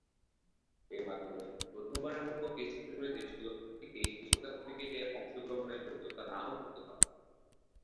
এর মাধ্যমে প্রথমবারের মতো টেস্টখেলুড়ে দেশগুলোর প্রত্যেকেই বিশ্বকাপ ক্রিকেটে অংশগ্রহণের যোগ্যতা না-ও হতে পারতো।